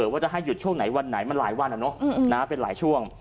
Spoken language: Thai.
ว่าจะให้หยุดช่วงไหนวันไหนมันหลายวันเป็นหลายช่วง